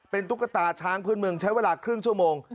เป็นตุ๊กตาช้างพื้นเมืองใช้เวลาครึ่งชั่วโมง